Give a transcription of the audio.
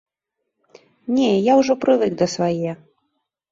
Не, я ўжо прывык да свае.